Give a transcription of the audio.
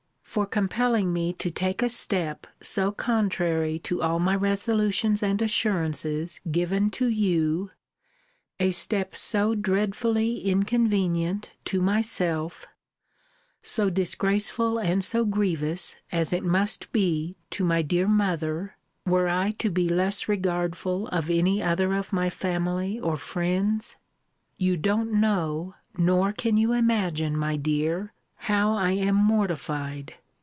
For compelling me to take a step so contrary to all my resolutions and assurances given to you; a step so dreadfully inconvenient to myself; so disgraceful and so grievous (as it must be) to my dear mother, were I to be less regardful of any other of my family or friends? You don't know, nor can you imagine, my dear, how I am mortified!